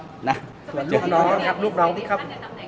ส่วนลูกน้องครับลูกเรานี่ครับ